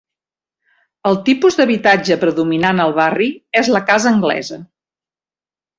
El tipus d'habitatge predominant al barri és la casa anglesa.